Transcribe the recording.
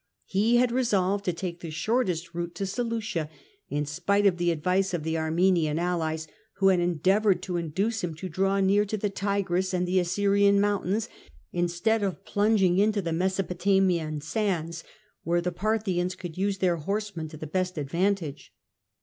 He had resolved to take the shortest route to Seleucia, in spite of the advice of his Armenian allies, who had endeavoured to induce him to draw near to the Tigris and the Assyrian mountains, instead of plunging into the Mesopotamian sands, where the Par thians could use their horsemen to the best advantage.